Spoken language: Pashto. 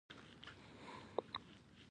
ادبیات د انسان فکر او احساس روزي.